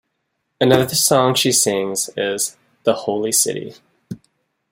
Another song she sings is "The Holy City".